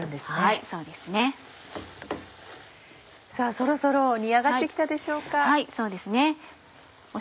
そろそろ煮上がって来たでしょうか？